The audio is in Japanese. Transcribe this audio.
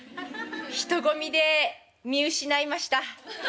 人混みで見失いました。